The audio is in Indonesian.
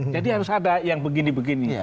jadi harus ada yang begini begini